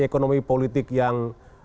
ekonomi politik yang